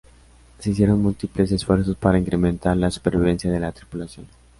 Se hicieron múltiples esfuerzos para incrementar la supervivencia de la tripulación.